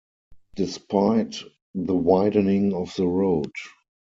Despite the widening of the road.